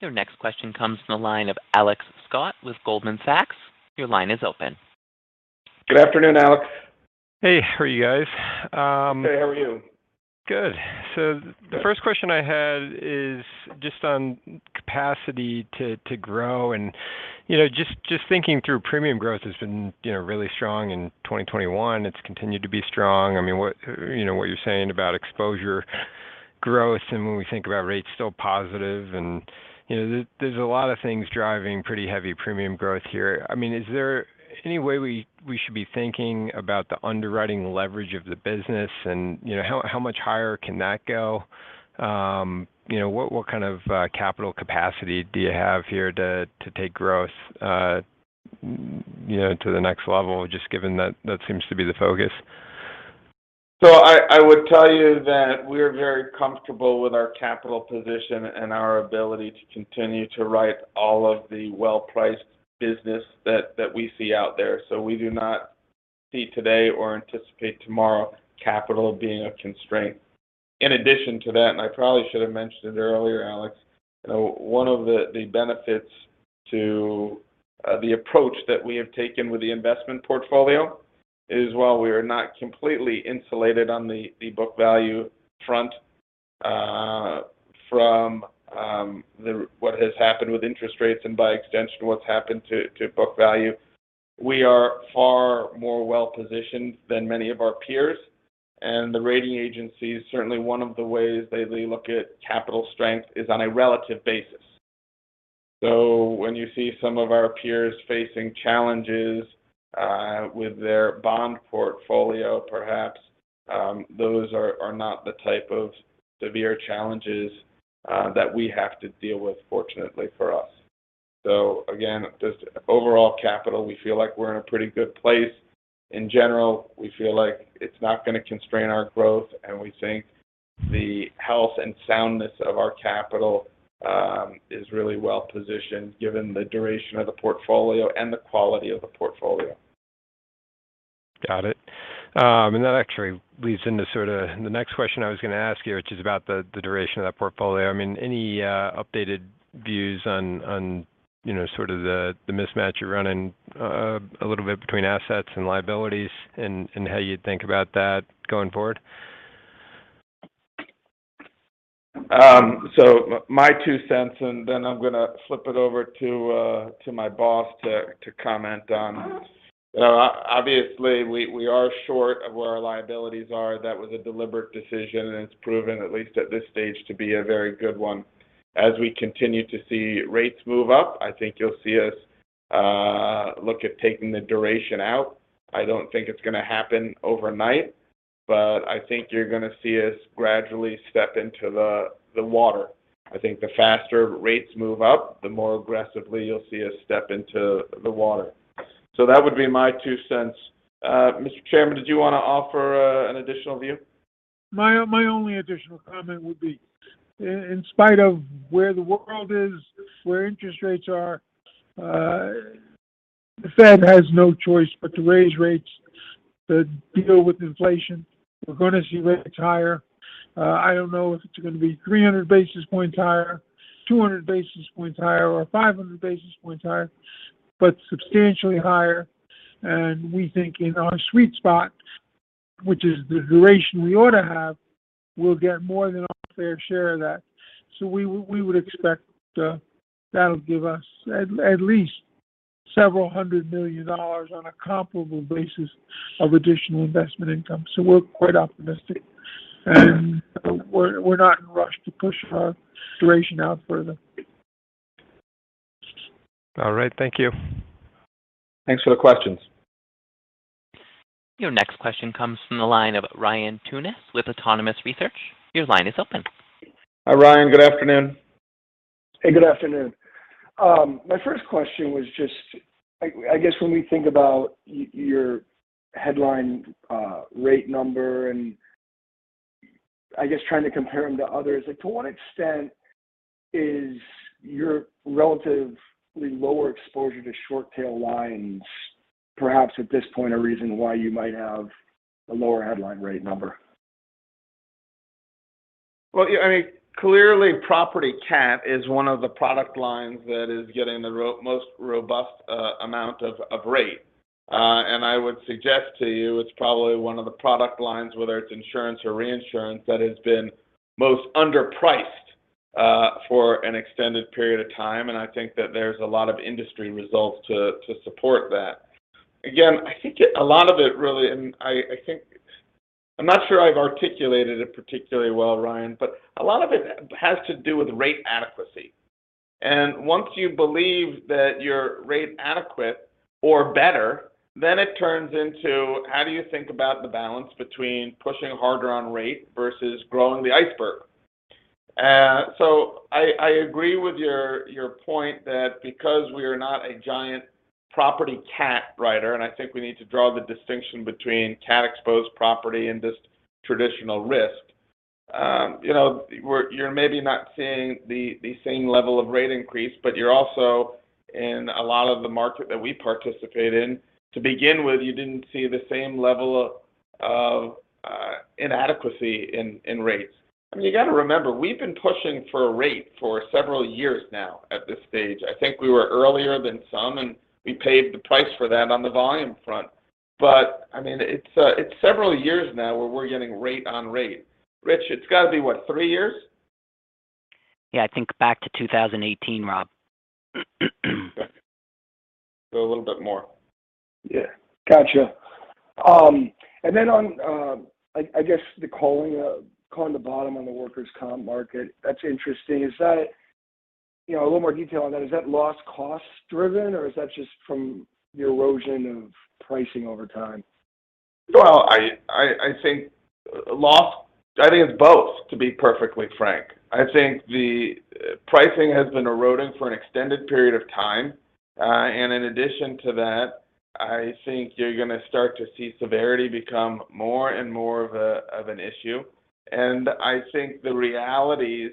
Your next question comes from the line of Alex Scott with Goldman Sachs. Your line is open. Good afternoon, Alex. Hey. How are you guys? Good. How are you? Good. The first question I had is just on capacity to grow and, you know, just thinking through premium growth has been, you know, really strong in 2021. It's continued to be strong. I mean, what you're saying about exposure growth and when we think about rates still positive and, you know, there's a lot of things driving pretty heavy premium growth here. I mean, is there any way we should be thinking about the underwriting leverage of the business and, you know, how much higher can that go? You know, what kind of capital capacity do you have here to take growth, you know, to the next level, just given that that seems to be the focus? I would tell you that we're very comfortable with our capital position and our ability to continue to write all of the well-priced business that we see out there. We do not see today or anticipate tomorrow capital being a constraint. In addition to that, and I probably should have mentioned it earlier, Alex, you know, one of the benefits to the approach that we have taken with the investment portfolio is while we are not completely insulated on the book value front from what has happened with interest rates and by extension what's happened to book value. We are far more well-positioned than many of our peers. The rating agencies, certainly one of the ways they look at capital strength is on a relative basis. When you see some of our peers facing challenges with their bond portfolio, perhaps, those are not the type of severe challenges that we have to deal with, fortunately for us. Again, just overall capital, we feel like we're in a pretty good place. In general, we feel like it's not going to constrain our growth, and we think the health and soundness of our capital is really well-positioned given the duration of the portfolio and the quality of the portfolio. Got it. That actually leads into sort of the next question I was going to ask you, which is about the duration of that portfolio. I mean, any updated views on you know, sort of the mismatch you're running a little bit between assets and liabilities and how you think about that going forward? My two cents, and then I'm going to flip it over to my boss to comment on. You know, obviously we are short of where our liabilities are. That was a deliberate decision, and it's proven, at least at this stage, to be a very good one. As we continue to see rates move up, I think you'll see us look at taking the duration out. I don't think it's going to happen overnight, but I think you're going to see us gradually step into the water. I think the faster rates move up, the more aggressively you'll see us step into the water. That would be my two cents. Mr. Chairman, did you want to offer an additional view? My only additional comment would be, in spite of where the world is, where interest rates are, the Fed has no choice but to raise rates to deal with inflation. We're going to see rates higher. I don't know if it's going to be 300 basis points higher, 200 basis points higher, or 500 basis points higher, but substantially higher. We think in our sweet spot, which is the duration we ought to have, we'll get more than our fair share of that. We would expect, that'll give us at least $several hundred million on a comparable basis of additional investment income. We're quite optimistic, and we're not in a rush to push our duration out further. All right. Thank you. Thanks for the questions. Your next question comes from the line of Ryan Tunis with Autonomous Research. Your line is open. Hi, Ryan. Good afternoon. Hey, good afternoon. My first question was just, I guess when we think about your headline rate number, and I guess trying to compare them to others, like to what extent is your relatively lower exposure to short tail lines, perhaps at this point, a reason why you might have a lower headline rate number? Well, I mean, clearly Property CAT is one of the product lines that is getting the most robust amount of rate. I would suggest to you it's probably one of the product lines, whether it's insurance or reinsurance, that has been most underpriced for an extended period of time. I think that there's a lot of industry results to support that. I think a lot of it really. I'm not sure I've articulated it particularly well, Ryan, but a lot of it has to do with rate adequacy. Once you believe that you're rate adequate or better, then it turns into how do you think about the balance between pushing harder on rate versus growing the iceberg. I agree with your point that because we are not a giant Property CAT writer, and I think we need to draw the distinction between CAT-exposed property and just traditional risk, you know, you're maybe not seeing the same level of rate increase. You're also, in a lot of the market that we participate in to begin with, you didn't see the same level of inadequacy in rates. I mean, you got to remember, we've been pushing for a rate for several years now at this stage. I think we were earlier than some, and we paid the price for that on the volume front. I mean, it's several years now where we're getting rate on rate. Rich, it's got to be what, three years? Yeah. I think back to 2018, Rob. A little bit more. Yeah. Gotcha. I guess calling the bottom on the workers' compensation market. That's interesting. You know, a little more detail on that. Is that loss cost-driven, or is that just from the erosion of pricing over time? Well, I think it's both, to be perfectly frank. I think the pricing has been eroding for an extended period of time. In addition to that, I think you're going to start to see severity become more and more of an issue. I think the realities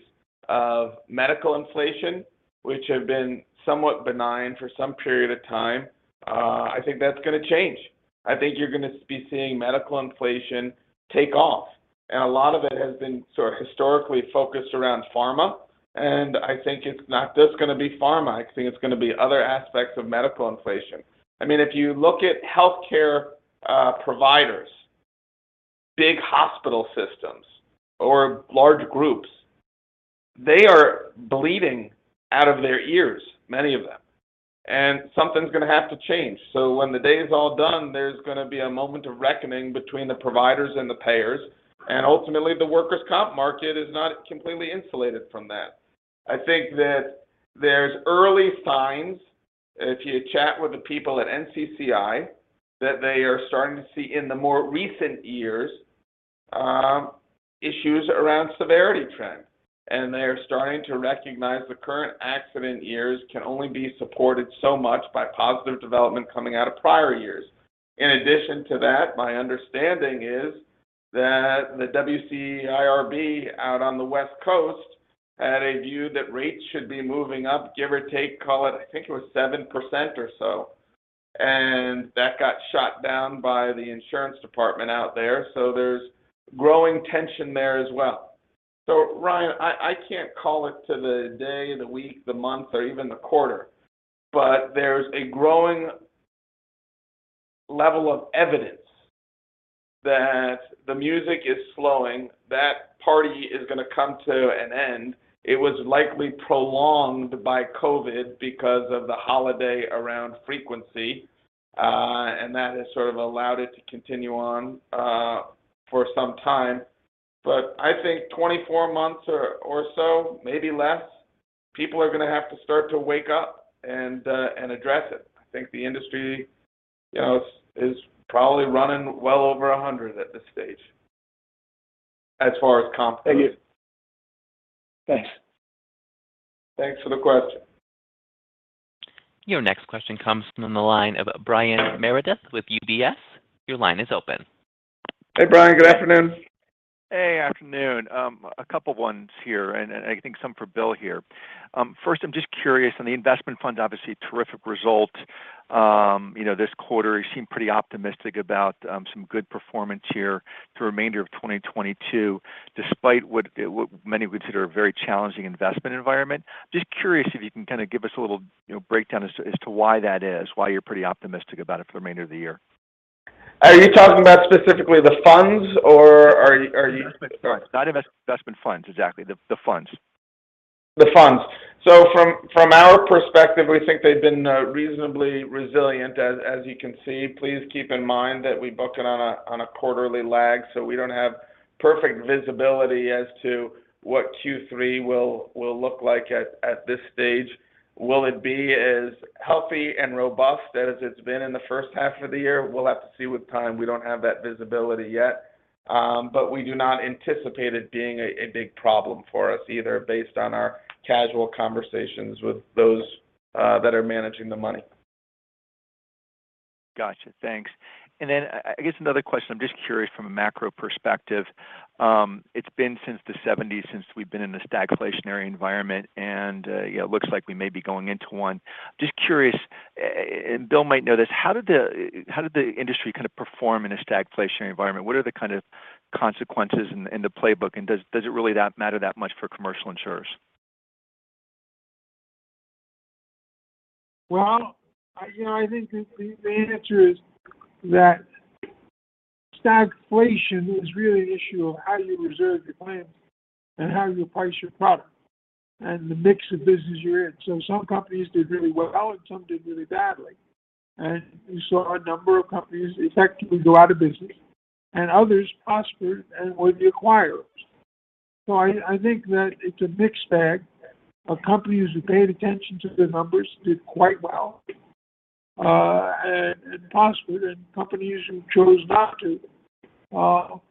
of medical inflation, which have been somewhat benign for some period of time, I think that's going to change. I think you're going to be seeing medical inflation take off. A lot of it has been sort of historically focused around pharma, and I think it's not just going to be pharma. I think it's going to be other aspects of medical inflation. I mean, if you look at healthcare providers, big hospital systems or large groups, they are bleeding out of their ears, many of them. Something's going to have to change. When the day is all done, there's going to be a moment of reckoning between the providers and the payers. Ultimately, the workers' comp market is not completely insulated from that. I think that there's early signs, if you chat with the people at NCCI, that they are starting to see in the more recent years, issues around severity trends. They are starting to recognize the current accident years can only be supported so much by positive development coming out of prior years. In addition to that, my understanding is that the WCIRB out on the West Coast had a view that rates should be moving up, give or take, call it, I think it was 7% or so. That got shot down by the insurance department out there. There's growing tension there as well. Ryan, I can't call it to the day, the week, the month, or even the quarter, but there's a growing level of evidence that the music is slowing. That party is going to come to an end. It was likely prolonged by COVID because of the holiday around frequency, and that has sort of allowed it to continue on for some time. I think 24 months or so, maybe less, people are going to have to start to wake up and address it. I think the industry, you know, is probably running well over 100% at this stage as far as comp goes. Thank you. Thanks. Thanks for the question. Your next question comes from the line of Brian Meredith with UBS. Your line is open. Hey, Brian. Good afternoon. Hey, afternoon. A couple ones here, and I think some for Bill here. First, I'm just curious on the investment funds, obviously terrific result, you know, this quarter. You seem pretty optimistic about some good performance here through the remainder of 2022, despite what many would consider a very challenging investment environment. Just curious if you can kind of give us a little, you know, breakdown as to why that is, why you're pretty optimistic about it for the remainder of the year. Are you talking about specifically the funds or are you? Investments, sorry, investment funds, exactly. The funds. The funds. From our perspective, we think they've been reasonably resilient as you can see. Please keep in mind that we book it on a quarterly lag, so we don't have perfect visibility as to what Q3 will look like at this stage. Will it be as healthy and robust as it's been in the first half of the year? We'll have to see with time. We don't have that visibility yet. We do not anticipate it being a big problem for us either based on our casual conversations with those that are managing the money. Gotcha. Thanks. I guess another question. I'm just curious from a macro perspective. It's been since the seventies since we've been in a stagflationary environment and, you know, it looks like we may be going into one. Just curious, and Bill might know this, how did the industry kind of perform in a stagflationary environment? What are the kind of consequences in the playbook? Does it really matter that much for commercial insurers? Well, you know, I think the answer is that stagflation is really an issue of how you reserve your claims and how you price your product and the mix of business you're in. Some companies did really well and some did really badly. You saw a number of companies effectively go out of business and others prospered and were the acquirers. I think that it's a mixed bag of companies who paid attention to their numbers did quite well, and prospered, and companies who chose not to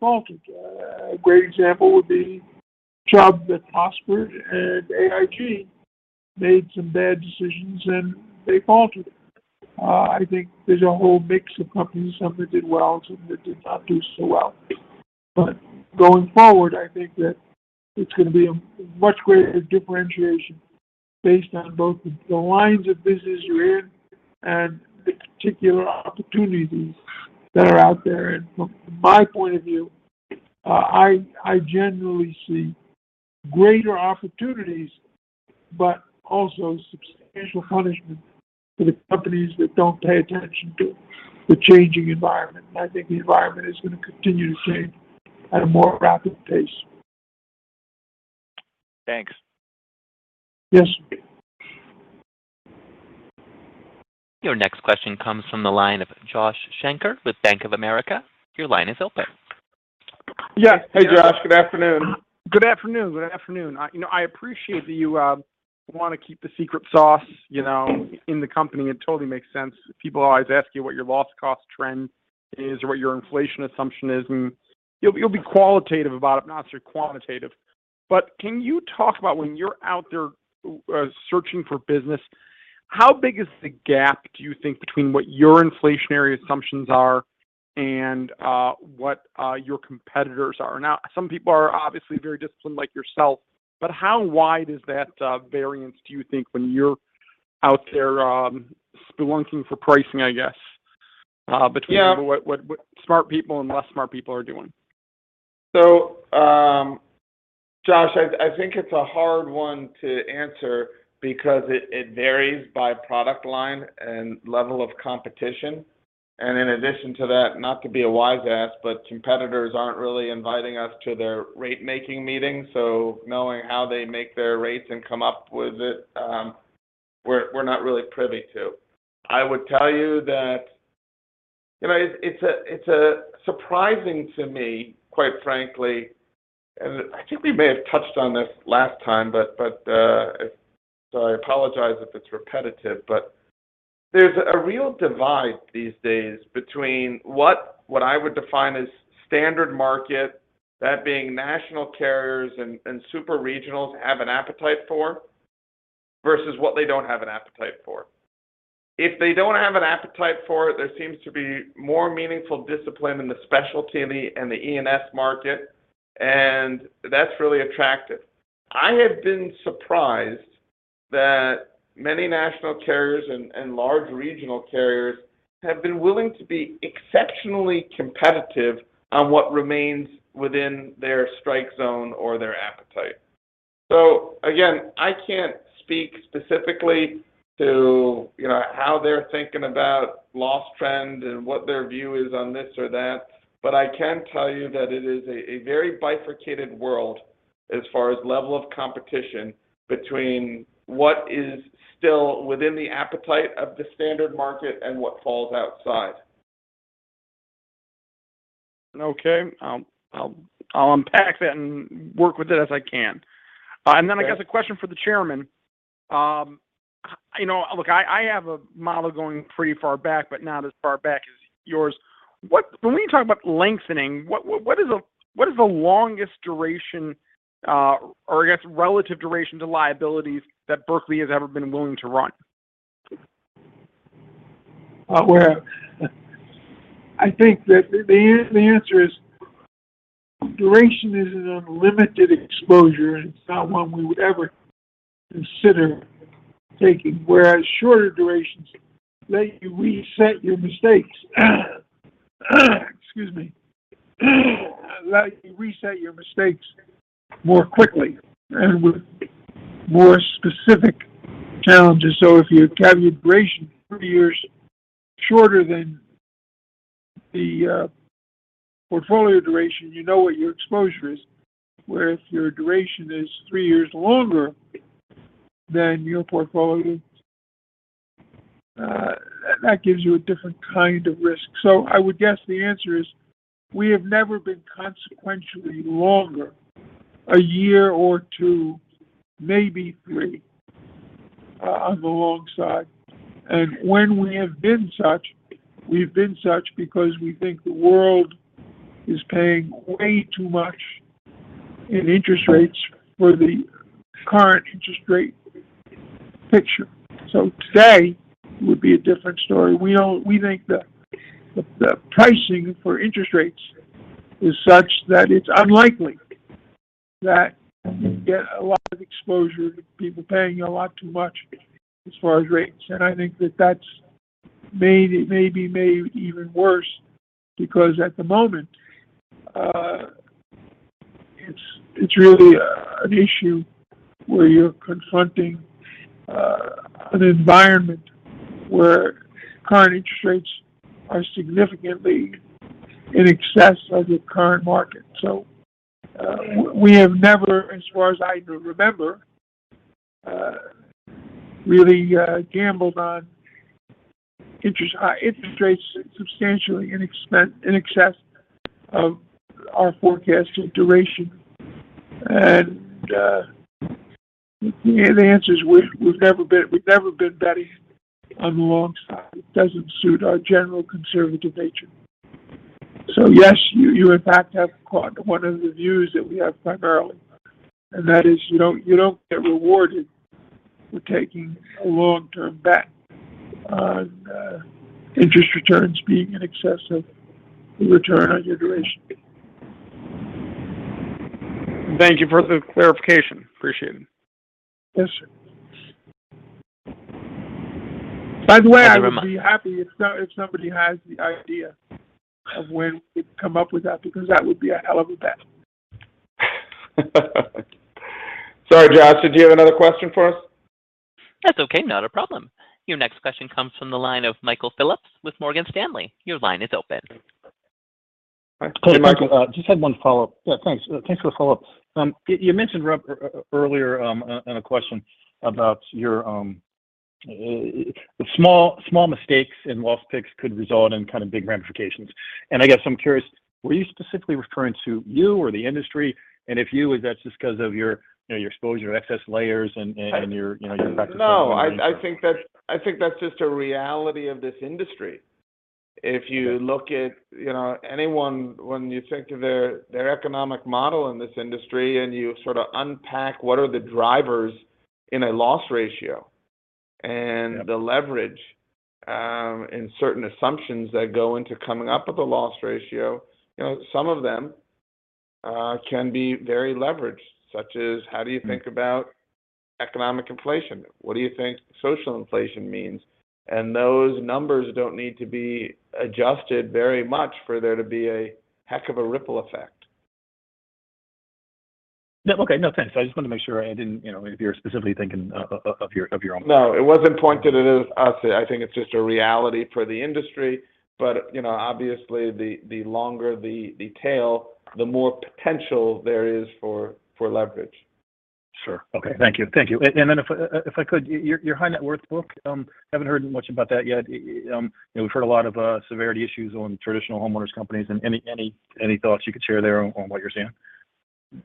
faltered. A great example would be Chubb that prospered and AIG made some bad decisions and they faltered. I think there's a whole mix of companies, some that did well, some that did not do so well. Going forward, I think that it's going to be a much greater differentiation based on both the lines of business you're in and the particular opportunities that are out there. From my point of view, I generally see greater opportunities, but also substantial punishment for the companies that don't pay attention to the changing environment. I think the environment is going to continue to change at a more rapid pace. Thanks. Yes. Your next question comes from the line of Josh Shanker with Bank of America. Your line is open. Yes. Hey, Josh. Good afternoon. Good afternoon. You know, I appreciate that you want to keep the secret sauce, you know, in the company. It totally makes sense. People always ask you what your loss cost trend is or what your inflation assumption is, and you'll be qualitative about it, not so quantitative. Can you talk about when you're out there searching for business, how big is the gap, do you think, between what your inflationary assumptions are and what your competitors are? Now, some people are obviously very disciplined like yourself, but how wide is that variance, do you think, when you're out there spelunking for pricing, I guess? Yeah between what smart people and less smart people are doing? Josh, I think it's a hard one to answer because it varies by product line and level of competition. In addition to that, not to be a wise ass, but competitors aren't really inviting us to their ratemaking meetings. Knowing how they make their rates and come up with it, we're not really privy to. I would tell you that, you know, it's a surprising to me, quite frankly, and I think we may have touched on this last time, but so I apologize if it's repetitive, but there's a real divide these days between what I would define as standard market, that being national carriers and super regionals have an appetite for, versus what they don't have an appetite for. If they don't have an appetite for it, there seems to be more meaningful discipline in the specialty and the E&S market, and that's really attractive. I have been surprised that many national carriers and large regional carriers have been willing to be exceptionally competitive on what remains within their strike zone or their appetite. Again, I can't speak specifically to, you know, how they're thinking about loss trend and what their view is on this or that, but I can tell you that it is a very bifurcated world as far as level of competition between what is still within the appetite of the standard market and what falls outside. Okay. I'll unpack that and work with it as I can. I guess a question for the chairman. You know, look, I have a model going pretty far back, but not as far back as yours. When we talk about lengthening, what is the longest duration, or I guess, relative duration to liabilities that Berkley has ever been willing to run? Well, I think that the answer is duration is an unlimited exposure. It's not one we would ever consider taking, whereas shorter durations let you reset your mistakes. Excuse me. Let you reset your mistakes more quickly and with more specific challenges. If you have your duration three years shorter than the portfolio duration, you know what your exposure is. Where if your duration is three years longer than your portfolio, that gives you a different kind of risk. I would guess the answer is we have never been consequentially longer a year or two, maybe three, on the long side. When we have been such, we've been such because we think the world is paying way too much in interest rates for the current interest rate picture. Today would be a different story. We think the pricing for interest rates is such that it's unlikely that you get a lot of exposure to people paying a lot too much as far as rates. I think that may be made even worse because at the moment, it's really an issue where you're confronting an environment where current interest rates are significantly in excess of the current market. We have never, as far as I can remember, really gambled on interest rates substantially in excess of our forecasted duration. The answer is we've never been betting on the long side. It doesn't suit our general conservative nature. Yes, you in fact have caught one of the views that we have primarily, and that is you don't get rewarded for taking a long-term bet on interest returns being in excess of the return on your duration. Thank you for the clarification. Appreciate it. Yes, sir. By the way, I would be happy if somebody has the idea of when we come up with that because that would be a hell of a bet. Sorry, Josh, did you have another question for us? That's okay. Not a problem. Your next question comes from the line of Michael Phillips with Morgan Stanley. Your line is open. Hey, Michael. Just had one follow-up. Yeah, thanks. Thanks for the follow-up. You mentioned earlier on a question about your small mistakes in loss picks could result in kind of big ramifications. I guess I'm curious, were you specifically referring to you or the industry? If you, is that just 'cause of your, you know, your exposure to excess layers and your, you know, your practices. No, I think that's just a reality of this industry. If you look at, you know, anyone when you think of their economic model in this industry and you sort of unpack what are the drivers in a loss ratio and the leverage, and certain assumptions that go into coming up with a loss ratio, you know, some of them can be very leveraged, such as how do you think about economic inflation? What do you think social inflation means? Those numbers don't need to be adjusted very much for there to be a heck of a ripple effect. No. Okay. No, thanks. I just wanted to make sure I didn't, you know, if you're specifically thinking of your own. No, it wasn't pointed at us. I think it's just a reality for the industry. You know, obviously the longer the tail, the more potential there is for leverage. Sure. Okay. Thank you. Thank you. If I could, your high net worth book, haven't heard much about that yet. You know, we've heard a lot of severity issues on traditional homeowners companies. Any thoughts you could share there on what you're seeing?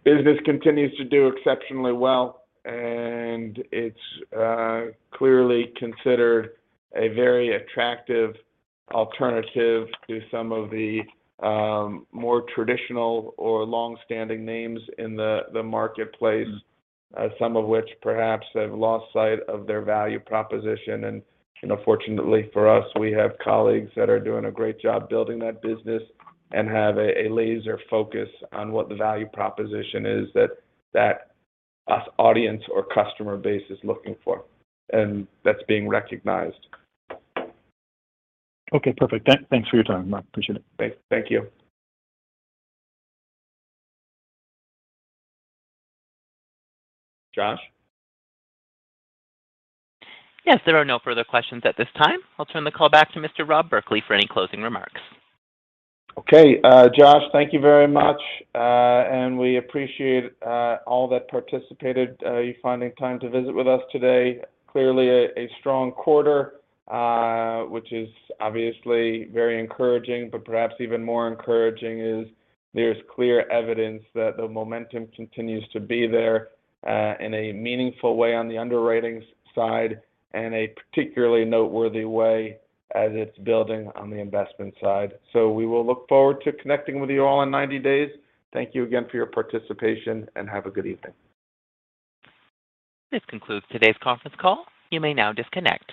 Business continues to do exceptionally well, and it's clearly considered a very attractive alternative to some of the more traditional or long-standing names in the marketplace, some of which perhaps have lost sight of their value proposition. You know, fortunately for us, we have colleagues that are doing a great job building that business and have a laser focus on what the value proposition is that audience or customer base is looking for, and that's being recognized. Okay, perfect. Thanks for your time. I appreciate it. Thank you. Josh? Yes, there are no further questions at this time. I'll turn the call back to Mr. Rob Berkley for any closing remarks. Okay. Josh, thank you very much. We appreciate all that participated, you finding time to visit with us today. Clearly a strong quarter, which is obviously very encouraging, but perhaps even more encouraging is there's clear evidence that the momentum continues to be there in a meaningful way on the underwriting side and a particularly noteworthy way as it's building on the investment side. We will look forward to connecting with you all in 90 days. Thank you again for your participation, and have a good evening. This concludes today's conference call. You may now disconnect.